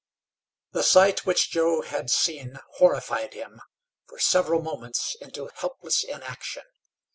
The sight which Joe had seen horrified him, for several moments, into helpless inaction.